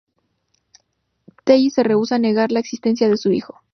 Telly se rehúsa a negar la existencia de su hijo.